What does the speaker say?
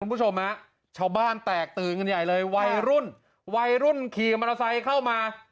คุณผู้ชมชาวบ้านแตกตืงใหญ่เลยวัยรุ่นวัยรุ่นขี่มารสัยเข้ามา